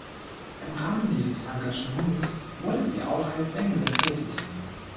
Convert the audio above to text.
Im Rahmen dieses Engagements wurde sie auch als Sängerin tätig.